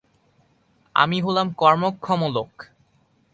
আমি হলাম কর্মক্ষম লোক!